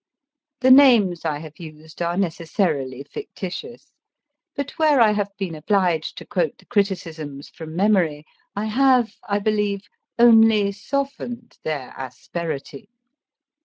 The names I have used are necessarily fictitious, but where I have been obliged to quote the criticisms from memory I have, I believe, only softened their asperity.